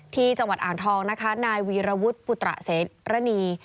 ที่จังหวัดอ่างทองนะคะนายวีรวุฒิปุตระเสรณี